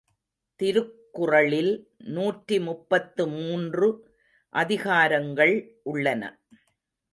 திருக்குறளில் நூற்றி முப்பத்து மூன்று அதிகாரங்கள் உள்ளன.